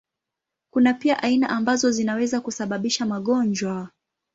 Kuna pia aina ambazo zinaweza kusababisha magonjwa.